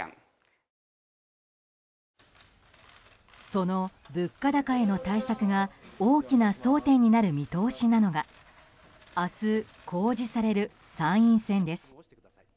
その物価高への対策が大きな争点になる見通しなのが明日、公示される参院選です。